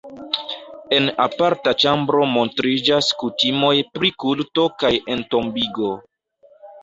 En aparta ĉambro montriĝas kutimoj pri kulto kaj entombigo.